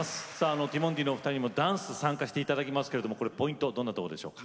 ティモンディのお二人にもダンス参加していただきますけどこれポイントどんなところでしょうか。